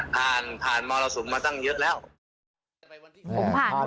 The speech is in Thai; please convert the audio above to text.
ผ่านผ่านมรสุมมาตั้งเยอะแล้ว